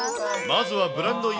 まずはブランド岩